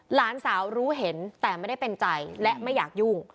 หลานสาวรู้เห็นแต่ไม่ได้เป็นใจและไม่อยากยุ่ง